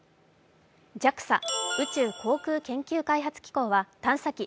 ＪＡＸＡ＝宇宙航空研究開発機構は探査機